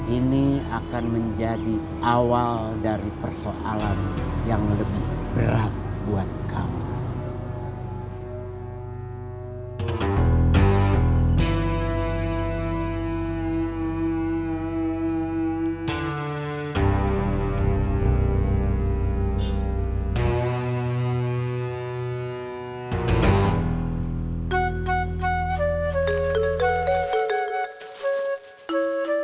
ini akan menjadi awal dari persoalan yang lebih berat buat kamu